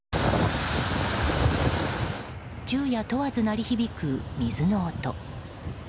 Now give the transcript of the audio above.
昼夜問わず鳴り響く水の音。